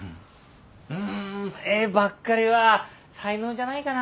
うん絵ばっかりは才能じゃないかなぁ？